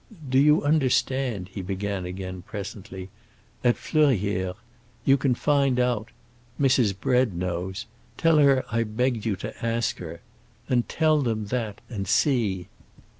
"Do you understand?" he began again, presently. "At Fleurières. You can find out. Mrs. Bread knows. Tell her I begged you to ask her. Then tell them that, and see.